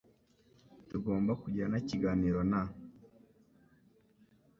Tugomba kugirana ikiganiro na .